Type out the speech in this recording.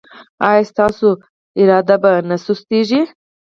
ایا ستاسو عزم به نه سستیږي؟